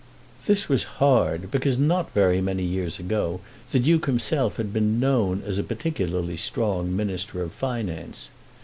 This was hard, because not very many years ago the Duke himself had been known as a particularly strong Minister of Finance.